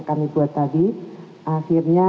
kami buat tadi akhirnya